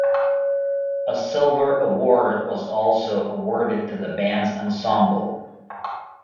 A silver award was also awarded to the band's ensemble.